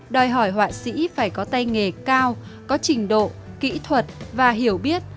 đòi hỏi họa sĩ phải có tay nghề cao có trình độ kỹ thuật và hiểu biết